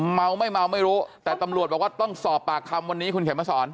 เมาไม่เมาไม่รู้แต่ตำรวจบอกว่าต้องสอบปากคำวันนี้คุณเข็มมาสอน